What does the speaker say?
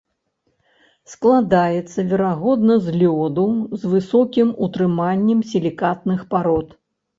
Складаецца верагодна з лёду з высокім утрыманнем сілікатных парод.